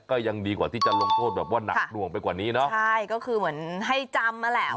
ก็ยังดีกว่าที่จะลงโทษแบบว่าหนักหน่วงไปกว่านี้เนอะใช่ก็คือเหมือนให้จำนั่นแหละ